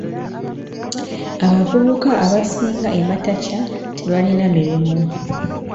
Abavubuka abasinga e Matacha tebalina mirimu.